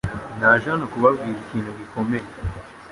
Naje hano kubabwira ikintu gikomeye .